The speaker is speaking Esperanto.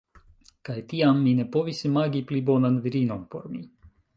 Kaj tiam, mi ne povis imagi pli bonan virinon por mi.